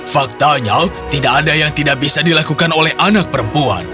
faktanya tidak ada yang tidak bisa dilakukan oleh anak perempuan